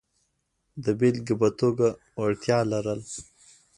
د بېلګې په توګه وړتیا لرل.